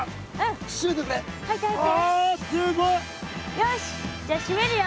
よしじゃ閉めるよ。